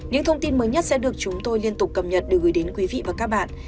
những thông tin mới nhất sẽ được chúng tôi liên tục cập nhật được gửi đến quý vị và các bạn